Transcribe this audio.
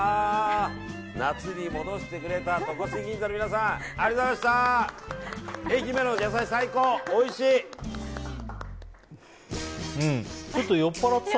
夏に戻してくれた戸越銀座の皆さんありがとうございました！